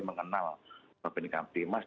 mengenal bapak bapak bapak